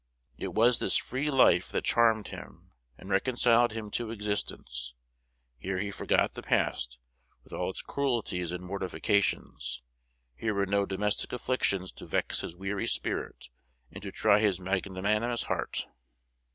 It was this free life that charmed him, and reconciled him to existence. Here he forgot the past, with all its cruelties and mortifications: here were no domestic afflictions to vex his weary spirit and to try his magnanimous heart.